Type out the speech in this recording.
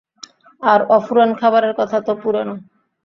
আর অফুরান খাবারের কথা তো পুরোনো।